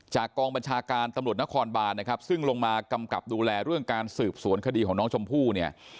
กองบัญชาการตำรวจนครบานนะครับซึ่งลงมากำกับดูแลเรื่องการสืบสวนคดีของน้องชมพู่เนี่ย